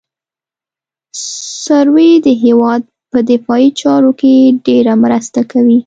سروې د هېواد په دفاعي چارو کې ډېره مرسته کوي